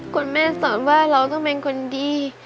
คุณแม่สอนว่าเราต้องเป็นคนดี